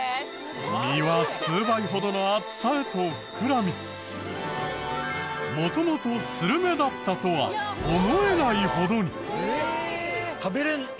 身は数倍ほどの厚さへと膨らみ元々スルメだったとは思えないほどに。